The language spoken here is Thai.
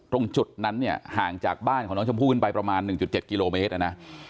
ตรงจุดนั้นเนี่ยห่างจากบ้านของน้องชมพู่ขึ้นไปประมาณ๑๗กิโลเมตรนะ